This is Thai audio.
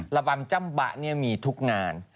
ระบำจ้ำบะมีทุกงาน